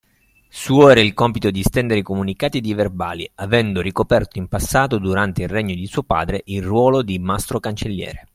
suo era il compito di stendere i comunicati ed i verbali, avendo ricoperto in passato, durante il regno di suo padre, il ruolo di mastro cancelliere.